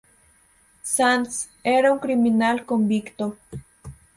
Sands era un criminal convicto.